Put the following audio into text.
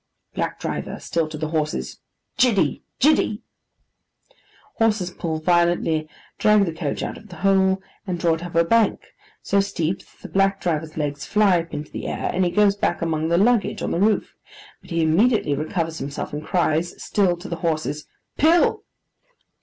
BLACK DRIVER (still to the horses). 'Jiddy! Jiddy!' Horses pull violently, drag the coach out of the hole, and draw it up a bank; so steep, that the black driver's legs fly up into the air, and he goes back among the luggage on the roof. But he immediately recovers himself, and cries (still to the horses), 'Pill!